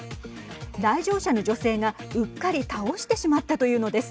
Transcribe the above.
来場者の女性がうっかり倒してしまったというのです。